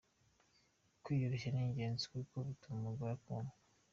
Kwiyoroshya ni ingenzi kuko bituma umugore akundwa.